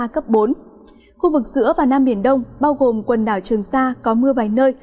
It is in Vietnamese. khu vực giữa và nam biển đông bao gồm quần đảo trường sa có mưa vài nơi